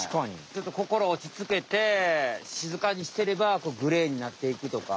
ちょっとこころおちつけてしずかにしてればグレーになっていくとか。